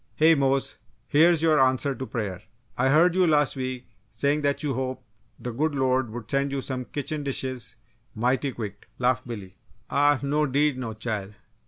"Hey, Mose! Here's your answer to prayer! I heard you, last week, saying that you hoped the good Lord would send you some kitchen dishes mighty quick!" laughed Billy. "Ah no 'deed no, chile!